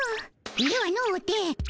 ではのうて